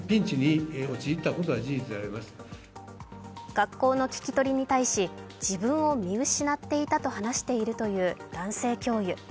学校の聞き取りに対し自分を見失っていたと話しているという男性教諭。